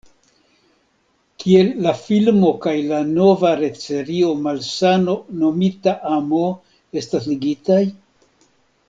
Kiel la filmo kaj la nova retserio Malsano Nomita Amo estas ligitaj?